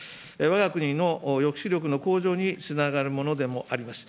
わが国の抑止力の向上につながるものでもあります。